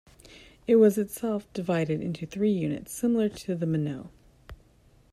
It was itself divided into three units, similar to the "minot".